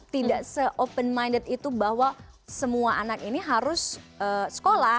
tidak se open minded itu bahwa semua anak ini harus sekolah